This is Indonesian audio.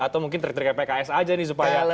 atau mungkin trik triknya pks aja nih supaya